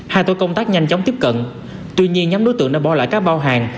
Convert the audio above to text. hai tổ công tác nhanh chóng tiếp cận tuy nhiên nhóm đối tượng đã bỏ lại các bao hàng